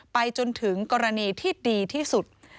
ไปจนถึงกรณีที่ดีที่สุด